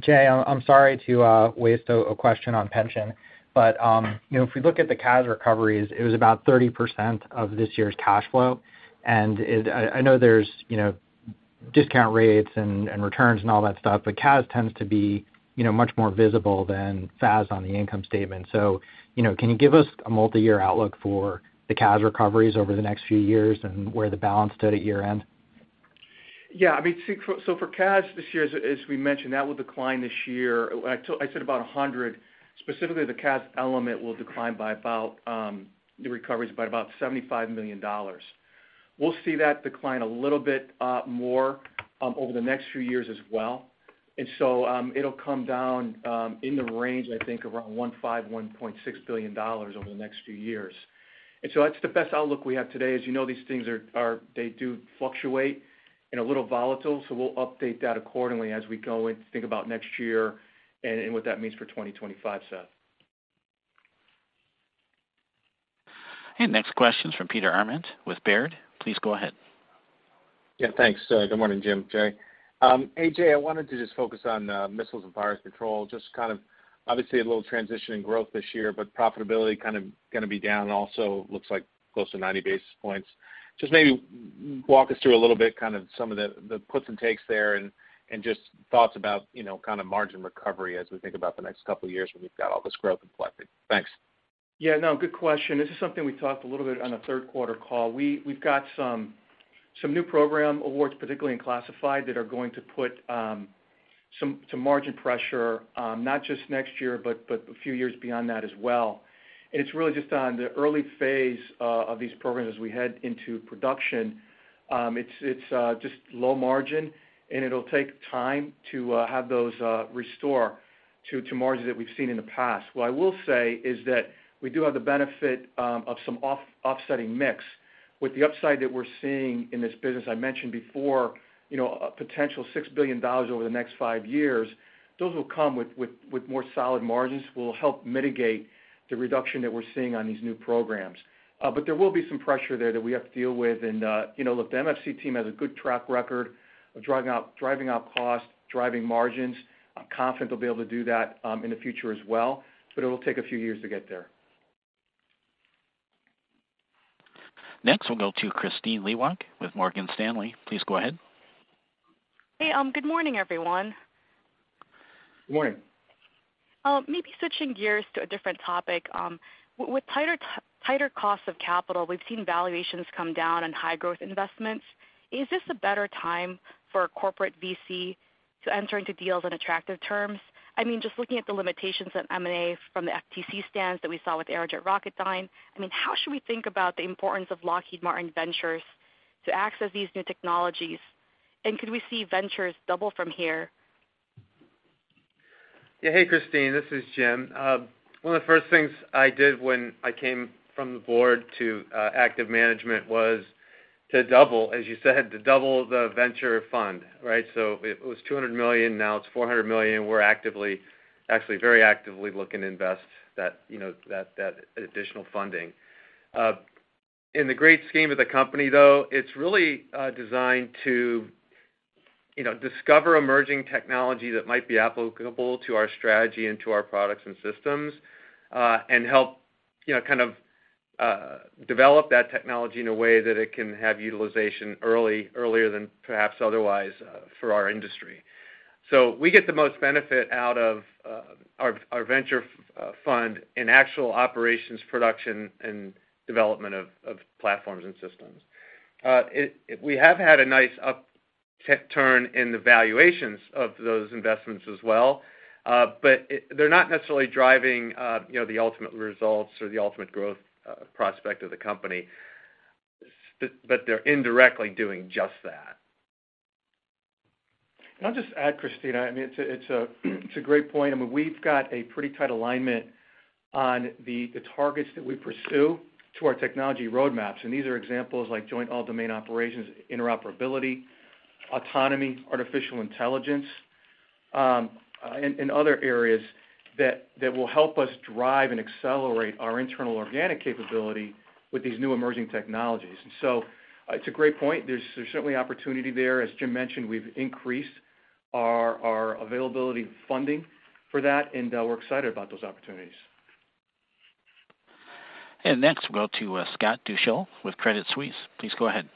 S11: Jay, I'm sorry to waste a question on pension, but, you know, if we look at the CAS recoveries, it was about 30% of this year's cash flow. I know there's, you know, discount rates and returns and all that stuff, but CAS tends to be, you know, much more visible than FAS on the income statement. You know, can you give us a multi-year outlook for the CAS recoveries over the next few years and where the balance stood at year-end?
S4: Yeah. I mean, see, so for CAS this year, as we mentioned, that will decline this year. I said about $100, specifically, the CAS element will decline by about the recoveries by about $75 million. We'll see that decline a little bit more over the next few years as well. It'll come down in the range, I think around $1.5 billion-$1.6 billion over the next few years. That's the best outlook we have today. As you know, these things are, they do fluctuate and a little volatile, so we'll update that accordingly as we go and think about next year and what that means for 2025, Seth.
S1: Next question is from Peter Arment with Baird. Please go ahead.
S12: Yeah, thanks. Good morning, Jim, Jay. Hey, Jay, I wanted to just focus on missiles and fire control, just to kind of, obviously, a little transition in growth this year, but profitability kind of gonna be down also, looks like close to 90 basis points. Just maybe walk us through a little bit kind of some of the puts and takes there and just thoughts about, you know, kind of margin recovery as we think about the next couple of years when we've got all this growth reflected? Thanks.
S4: Yeah. No, good question. This is something we talked a little bit on the third quarter call. We've got some new program awards, particularly in classified, that are going to put some margin pressure, not just next year, but a few years beyond that as well. It's really just on the early phase of these programs as we head into production. It's just low margin, and it'll take time to have those restore to margins that we've seen in the past. What I will say is that we do have the benefit of some offsetting mix. With the upside that we're seeing in this business, I mentioned before, you know, a potential $6 billion over the next five years, those will come with more solid margins, will help mitigate the reduction that we're seeing on these new programs. There will be some pressure there that we have to deal with. You know, look, the MFC team has a good track record of driving out costs, driving margins. I'm confident they'll be able to do that in the future as well, but it'll take a few years to get there.
S1: Next, we'll go to Kristine Liwag with Morgan Stanley. Please go ahead.
S13: Hey, good morning, everyone.
S4: Morning.
S13: Maybe switching gears to a different topic. With tighter costs of capital, we've seen valuations come down and high growth investments. Is this a better time for a corporate VC to enter into deals on attractive terms? I mean, just looking at the limitations of M&A from the FTC stance that we saw with Aerojet Rocketdyne, I mean, how should we think about the importance of Lockheed Martin Ventures to access these new technologies? Could we see ventures double from here?
S3: Yeah. Hey, Kristine, this is Jim. One of the first things I did when I came from the board to active management was to double, as you said, to double the venture fund, right? It was $200 million, now it's $400 million, and we're actively, actually very actively looking to invest that, you know, that additional funding. In the great scheme of the company, though, it's really designed to, you know, discover emerging technology that might be applicable to our strategy and to our products and systems, and help, you know, kind of develop that technology in a way that it can have utilization early, earlier than perhaps otherwise, for our industry. So we get the most benefit out of our venture fund in actual operations, production, and development of platforms and systems. We have had a nice upturn in the valuations of those investments as well, but they're not necessarily driving, you know, the ultimate results or the ultimate growth, prospect of the company. They're indirectly doing just that.
S4: I'll just add, Kristine, I mean, it's a great point. I mean, we've got a pretty tight alignment on the targets that we pursue to our technology roadmaps, and these are examples like Joint All-Domain Operations, interoperability, autonomy, artificial intelligence, and other areas that will help us drive and accelerate our internal organic capability with these new emerging technologies. It's a great point. There's certainly opportunity there. As Jim mentioned, we've increased our availability funding for that, and we're excited about those opportunities.
S1: Next, we'll go to Scott Deuschle with Credit Suisse. Please go ahead.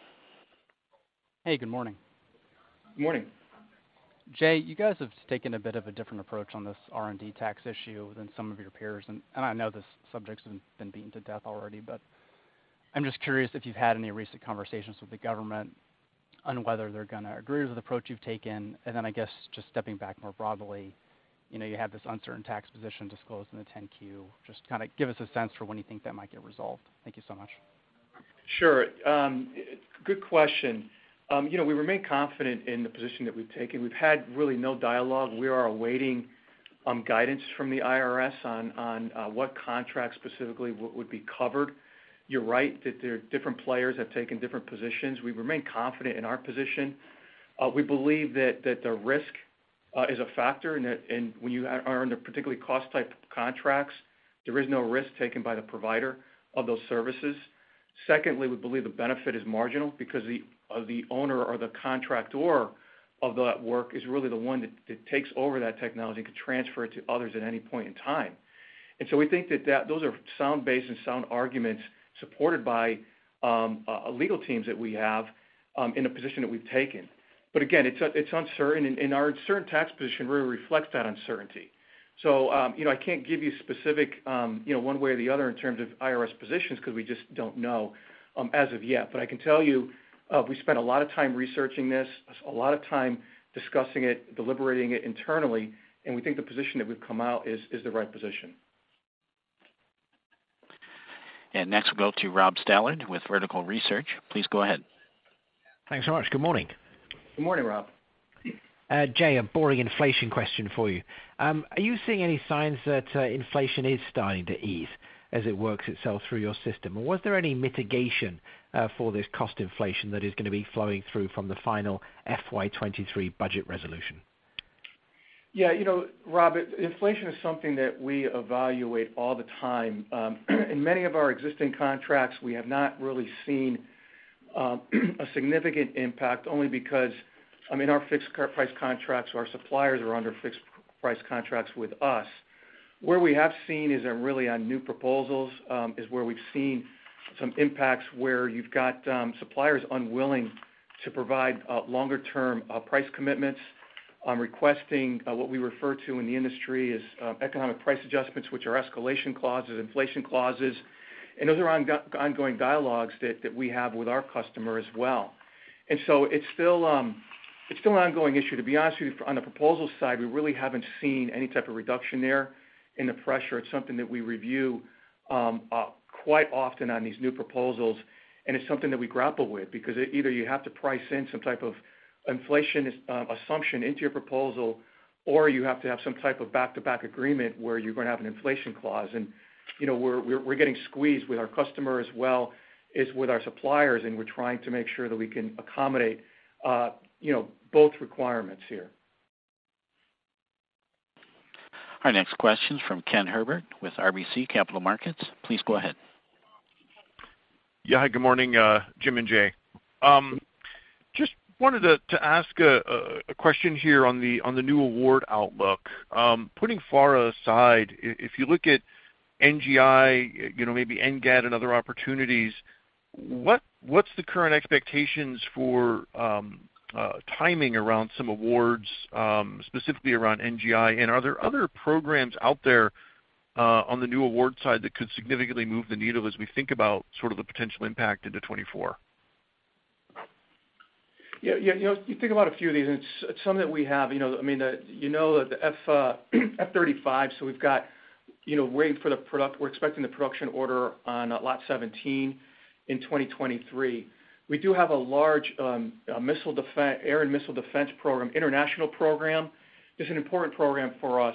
S14: Hey, good morning.
S4: Good morning.
S14: Jay, you guys have taken a bit of a different approach on this R&D tax issue than some of your peers. I know this subject's been beaten to death already, but I'm just curious if you've had any recent conversations with the government on whether they're gonna agree with the approach you've taken? I guess just stepping back more broadly, you know, you have this uncertain tax position disclosed in the 10-Q. Just kinda give us a sense for when you think that might get resolved? Thank you so much.
S4: Sure. Good question. You know, we remain confident in the position that we've taken. We've had really no dialogue. We are awaiting guidance from the IRS on what contracts specifically would be covered. You're right, that there are different players have taken different positions. We remain confident in our position. We believe that the risk is a factor and when you are under particularly cost type contracts, there is no risk taken by the provider of those services. Secondly, we believe the benefit is marginal because the owner or the contractor of that work is really the one that takes over that technology to transfer it to others at any point in time. We think that those are sound base and sound arguments supported by legal teams that we have in the position that we've taken. Again, it's uncertain, and our uncertain tax position really reflects that uncertainty. You know, I can't give you specific, you know, one way or the other in terms of IRS positions because we just don't know as of yet. I can tell you, we spent a lot of time researching this, a lot of time discussing it, deliberating it internally, and we think the position that we've come out is the right position.
S1: Next, we'll go to Rob Stallard with Vertical Research. Please go ahead.
S15: Thanks so much. Good morning.
S4: Good morning, Rob.
S15: Jay, a boring inflation question for you. Are you seeing any signs that inflation is starting to ease as it works itself through your system? Was there any mitigation for this cost inflation that is gonna be flowing through from the final FY 2023 budget resolution?
S4: Yeah. You know, Rob, inflation is something that we evaluate all the time. In many of our existing contracts, we have not really seen a significant impact only because, I mean, our fixed price contracts or our suppliers are under fixed price contracts with us. Where we have seen is on, really on new proposals, is where we've seen some impacts where you've got suppliers unwilling to provide longer term price commitments. On requesting what we refer to in the industry as economic price adjustments, which are escalation clauses, inflation clauses, and other ongoing dialogues that we have with our customer as well. It's still an ongoing issue. To be honest with you, on the proposal side, we really haven't seen any type of reduction there in the pressure. It's something that we review, quite often on these new proposals, and it's something that we grapple with because either you have to price in some type of inflation assumption into your proposal, or you have to have some type of back-to-back agreement where you're gonna have an inflation clause. You know, we're getting squeezed with our customer as well as with our suppliers, and we're trying to make sure that we can accommodate, you know, both requirements here.
S1: Our next question's from Ken Herbert with RBC Capital Markets. Please go ahead.
S16: Hi, good morning, Jim and Jay. Just wanted to ask a question here on the new award outlook. Putting FARA aside, if you look at NGI, you know, maybe NGAD and other opportunities, what's the current expectations for timing around some awards, specifically around NGI? And are there other programs out there on the new award side that could significantly move the needle as we think about sort of the potential impact into 2024?
S4: Yeah. Yeah, you know, you think about a few of these, and it's something that we have. You know, I mean, you know the F-35, we've got, you know, We're expecting the production order on Lot 17 in 2023. We do have a large, air and missile defense program, international program. It's an important program for us,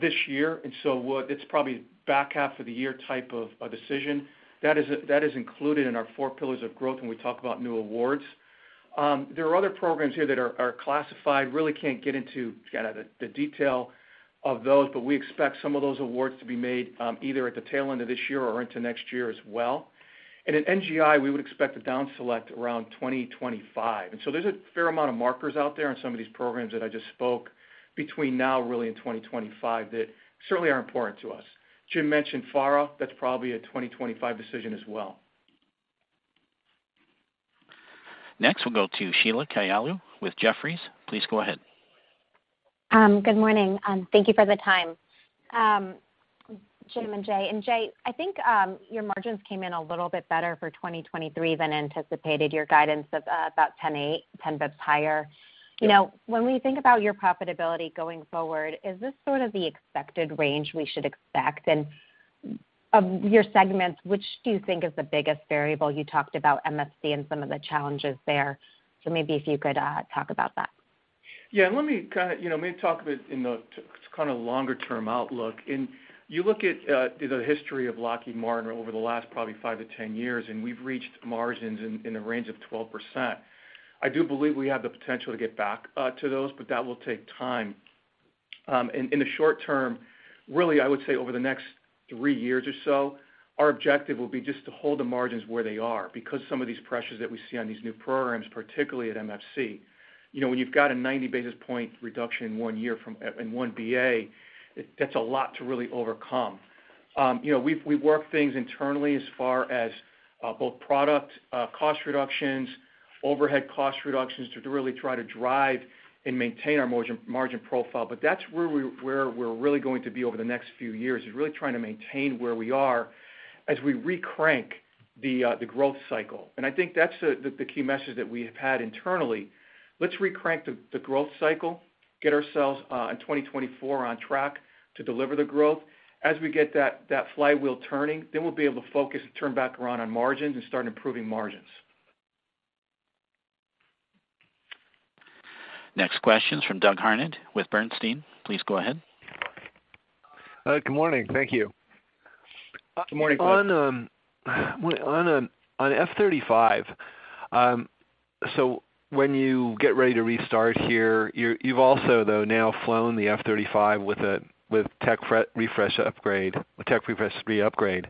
S4: this year, it's probably back half of the year type of a decision. That is included in our Four Pillars of Growth when we talk about new awards. There are other programs here that are classified. Really can't get into kinda the detail of those, we expect some of those awards to be made, either at the tail end of this year or into next year as well. In NGI, we would expect to down select around 2025. There's a fair amount of markers out there on some of these programs that I just spoke between now really and 2025 that certainly are important to us. Jim mentioned FARA, that's probably a 2025 decision as well.
S1: Next, we'll go to Sheila Kahyaoglu with Jefferies. Please go ahead.
S17: Good morning. Thank you for the time. Jim and Jay. Jay, I think, your margins came in a little bit better for 2023 than anticipated, your guidance of, about 10.8, 10 bps higher.
S4: Yeah.
S17: You know, when we think about your profitability going forward, is this sort of the expected range we should expect? Of your segments, which do you think is the biggest variable? You talked about MFC and some of the challenges there, so maybe if you could talk about that?
S4: Yeah. Let me kind of, you know, maybe talk a bit in the longer term outlook. You look at, you know, the history of Lockheed Martin over the last probably five-10 years, and we've reached margins in the range of 12%. I do believe we have the potential to get back to those, but that will take time. In the short term, really, I would say over the next three years or so, our objective will be just to hold the margins where they are because some of these pressures that we see on these new programs, particularly at MFC. You know, when you've got a 90 basis point reduction in one year from in one BA, that's a lot to really overcome. You know, we've, we work things internally as far as both product cost reductions, overhead cost reductions to really try to drive and maintain our margin profile. That's where we're really going to be over the next few years, is really trying to maintain where we are as we recrank the growth cycle. I think that's the key message that we have had internally. Let's recrank the growth cycle, get ourselves in 2024 on track to deliver the growth. As we get that flywheel turning, then we'll be able to focus and turn back around on margins and start improving margins.
S1: Next question's from Doug Harned with Bernstein. Please go ahead.
S18: Good morning. Thank you.
S4: Good morning, Doug.
S18: On F-35, when you get ready to restart here, you've also though now flown the F-35 with a refresh upgrade, a Tech Refresh 3 upgrade.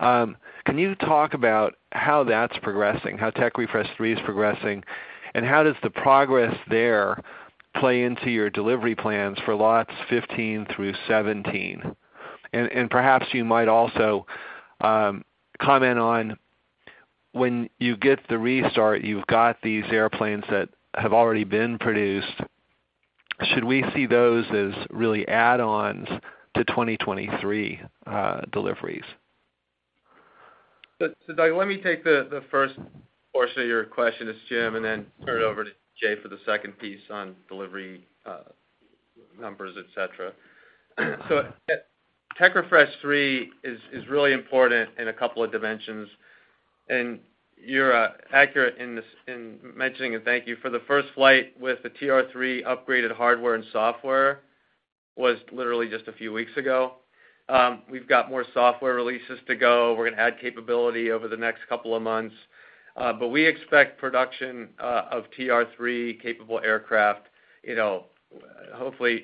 S18: Can you talk about how that's progressing, how Tech Refresh 3 is progressing, and how does the progress there play into your delivery plans for Lots 15 through 17? Perhaps you might also comment on when you get the restart, you've got these airplanes that have already been produced. Should we see those as really add-ons to 2023 deliveries?
S3: Doug, let me take the first portion of your question, as Jim, and then turn it over to Jay for the second piece on delivery, numbers, et cetera. Tech Refresh 3 is really important in a couple of dimensions. You're accurate in mentioning it. Thank you. For the first flight with the TR-3 upgraded hardware and software was literally just a few weeks ago. We've got more software releases to go. We're gonna add capability over the next couple of months. We expect production of TR-3 capable aircraft, you know, hopefully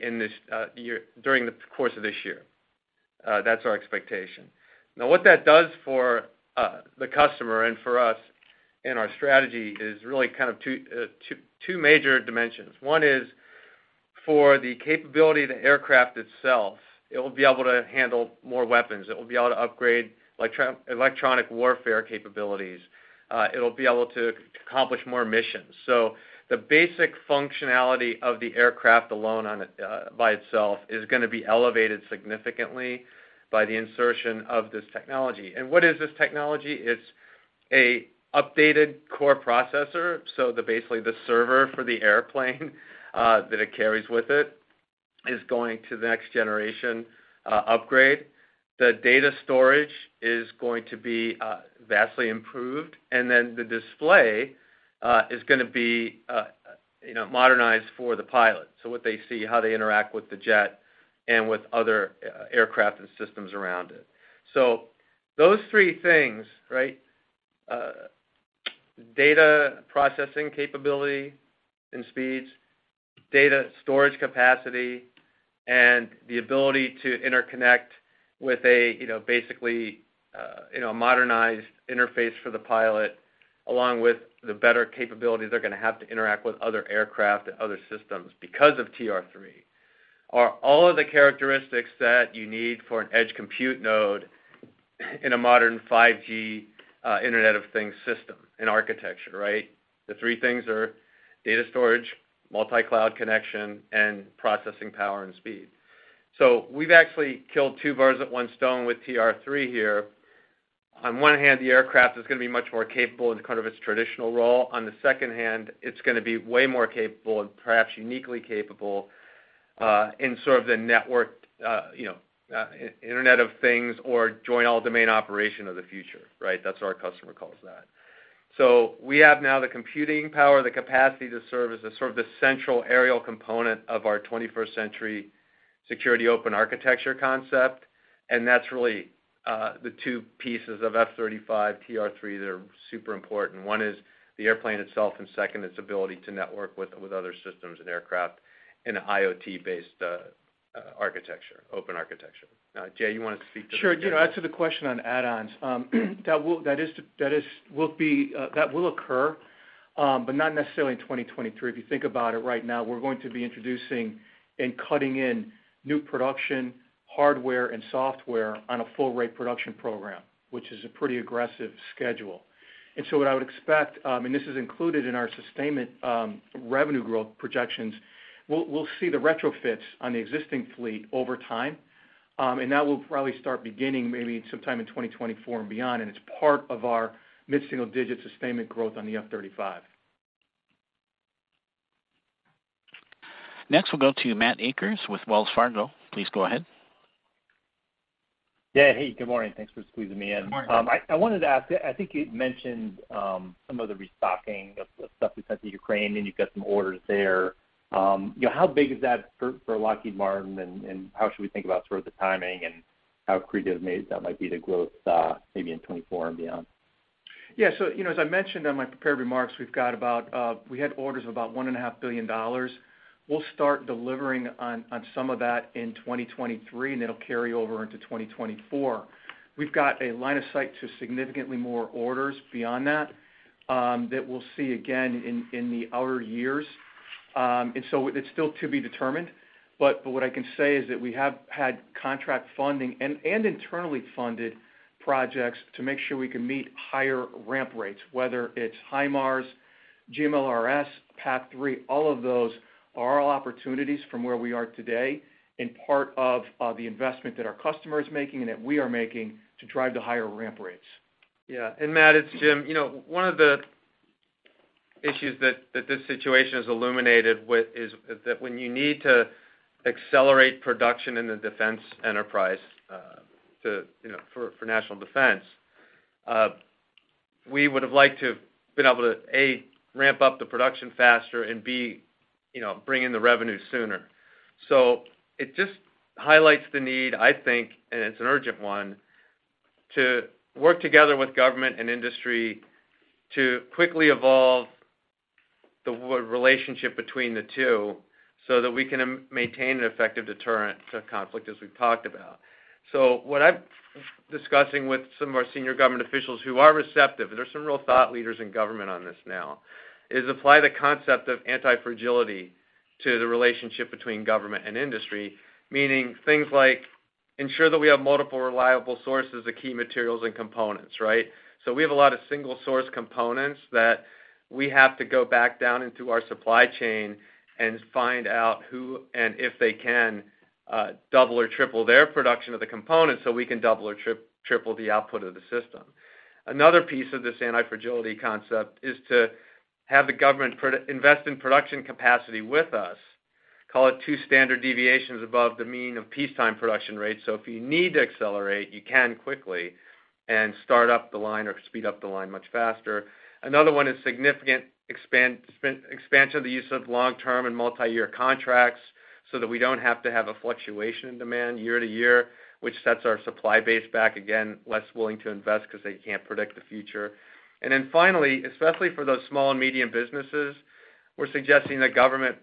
S3: during the course of this year. That's our expectation. What that does for the customer and for us and our strategy is really kind of two major dimensions. One is for the capability of the aircraft itself, it will be able to handle more weapons. It will be able to upgrade electronic warfare capabilities. It'll be able to accomplish more missions. The basic functionality of the aircraft alone on it, by itself, is gonna be elevated significantly by the insertion of this technology. What is this technology? It's a updated core processor, so basically the server for the airplane, that it carries with it, is going to the next generation upgrade. The data storage is going to be vastly improved, the display is gonna be, you know, modernized for the pilot, so what they see, how they interact with the jet and with other aircraft and systems around it. Those three things, right, data processing capability and speeds, data storage capacity, and the ability to interconnect with a, you know, basically, you know, modernized interface for the pilot, along with the better capabilities they're gonna have to interact with other aircraft and other systems because of TR-3, are all of the characteristics that you need for an edge compute node in a modern 5G, Internet of Things system and architecture, right. The three things are data storage, multi-cloud connection, and processing power and speed. We've actually killed two birds with one stone with TR-3 here. On one hand, the aircraft is gonna be much more capable in kind of its traditional role. On the second hand, it's gonna be way more capable and perhaps uniquely capable, in sort of the network, you know, Internet of Things or Joint All-Domain Operations of the future, right? That's what our customer calls that. We have now the computing power, the capacity to serve as the sort of the central aerial component of our 21st Century Security open architecture concept, and that's really the two pieces of F-35, TR-3 that are super important. One is the airplane itself, and second, its ability to network with other systems and aircraft in a IoT-based architecture, open architecture. Jay, you wanted to speak to this again?
S4: Sure. You know, as to the question on add-ons, that will be that will occur, but not necessarily in 2023. If you think about it, right now we're going to be introducing and cutting in new production hardware and software on a full rate production program, which is a pretty aggressive schedule. What I would expect, and this is included in our sustainment, revenue growth projections, we'll see the retrofits on the existing fleet over time. That will probably start beginning maybe sometime in 2024 and beyond, and it's part of our mid-single digit sustainment growth on the F-35.
S1: Next, we'll go to Matt Akers with Wells Fargo. Please go ahead.
S19: Yeah. Hey, good morning. Thanks for squeezing me in.
S3: Good morning.
S19: I wanted to ask, I think you'd mentioned some of the restocking of stuff we sent to Ukraine, and you've got some orders there. You know, how big is that for Lockheed Martin, and how should we think about sort of the timing and how accretive maybe that might be to growth, maybe in 2024 and beyond?
S4: Yeah. you know, as I mentioned on my prepared remarks, we've got about, we had orders of about one and a half billion dollars. We'll start delivering on some of that in 2023, it'll carry over into 2024. We've got a line of sight to significantly more orders beyond that we'll see again in the outer years. It's still to be determined. But what I can say is that we have had contract funding and internally funded projects to make sure we can meet higher ramp rates, whether it's HIMARS, GMLRS, PAC-3, all of those are all opportunities from where we are today and part of the investment that our customer is making and that we are making to drive the higher ramp rates.
S3: Yeah. Matt, it's Jim. You know, one of the issues that this situation has illuminated with is that when you need to accelerate production in the defense enterprise, to, you know, for national defense, we would have liked to been able to, A, ramp up the production faster and, B, you know, bring in the revenue sooner. It just highlights the need, I think, and it's an urgent one, to work together with government and industry to quickly evolve the relationship between the two so that we can maintain an effective deterrent to conflict, as we've talked about. What I'm discussing with some of our senior government officials who are receptive, there's some real thought leaders in government on this now, is apply the concept of anti-fragility to the relationship between government and industry, meaning things like ensure that we have multiple reliable sources of key materials and components, right? We have a lot of single source components that we have to go back down into our supply chain and find out who and if they can double or triple their production of the components so we can double or triple the output of the system. Another piece of this anti-fragility concept is to have the government invest in production capacity with us, call it two standard deviations above the mean of peacetime production rates, so if you need to accelerate, you can quickly and start up the line or speed up the line much faster. Another one is significant expansion of the use of long-term and multi-year contracts so that we don't have to have a fluctuation in demand year to year, which sets our supply base back, again, less willing to invest because they can't predict the future. Finally, especially for those small and medium businesses, we're suggesting the government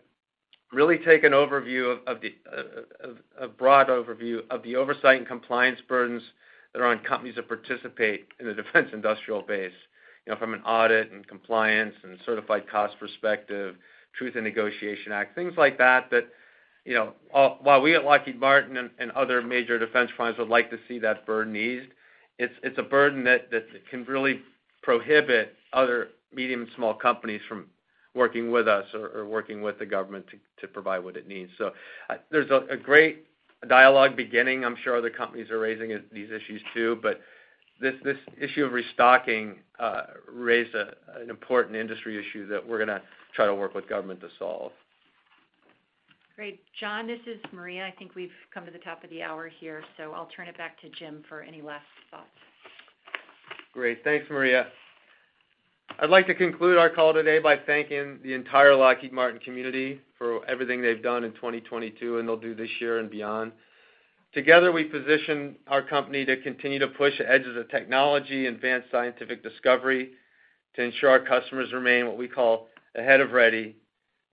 S3: really take an overview of the broad overview of the oversight and compliance burdens that are on companies that participate in the defense industrial base, you know, from an audit and compliance and certified cost perspective, Truth in Negotiations Act, things like that that, you know, while we at Lockheed Martin and other major defense firms would like to see that burden eased, it's a burden that can really prohibit other medium, small companies from working with us or working with the government to provide what it needs. There's a great dialogue beginning. I'm sure other companies are raising these issues too. This issue of restocking, raised an important industry issue that we're gonna try to work with government to solve.
S2: Great. John, this is Maria. I think we've come to the top of the hour here, so I'll turn it back to Jim for any last thoughts.
S3: Great. Thanks, Maria. I'd like to conclude our call today by thanking the entire Lockheed Martin community for everything they've done in 2022 and they'll do this year and beyond. Together, we position our company to continue to push the edges of technology, advanced scientific discovery to ensure our customers remain what we call ahead of ready,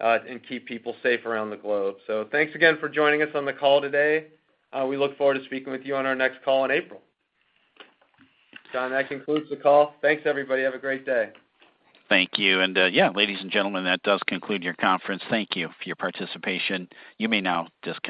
S3: and keep people safe around the globe. Thanks again for joining us on the call today. We look forward to speaking with you on our next call in April. John, that concludes the call. Thanks, everybody. Have a great day.
S1: Thank you. Ladies and gentlemen, that does conclude your conference. Thank you for your participation. You may now disconnect.